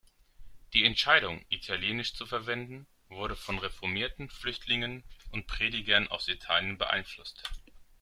Die Entscheidung, Italienisch zu verwenden, wurde von reformierten Flüchtlingen und Predigern aus Italien beeinflusst.